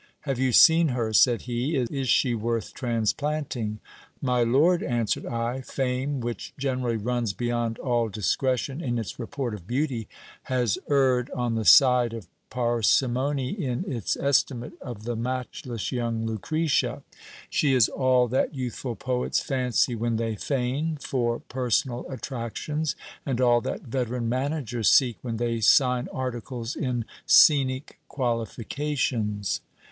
Have you seen her ? said he : is she worth transplanting ? My lord, answered I, fame, which generally runs beyond all discretion in its report of beauty, has erred on the side of parsimony in its estimate of the matchless young Lucretia ; she is all that youthful poets fancy when they feign, for personal attractions, and all that veteran managers seek when they sign articles, in scenic qualifica tions.